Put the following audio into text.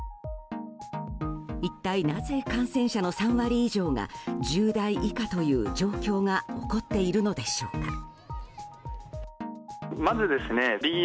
一体なぜ感染者の３割以上が１０代以下という状況が起こっているのでしょうか。